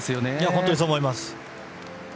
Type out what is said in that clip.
本当にそう思います。